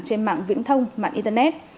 trên mạng viễn thông mạng internet